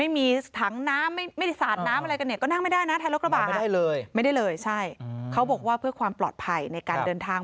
ไม่ได้เลยใช่เขาบอกว่าเพื่อความปลอดภัยในการเดินทาง